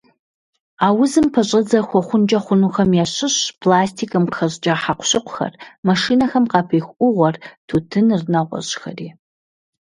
А узым пэщӀэдзэ хуэхъункӀэ хъунухэм ящыщщ пластикым къыхэщӏыкӏа хьэкъущыкъухэр, машинэхэм къапиху Ӏугъуэр, тутыныр, нэгъуэщӏхэри.